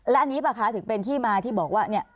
และอันนี้ป่ะคะถึงเป็นที่มาที่บอกว่าเนี่ย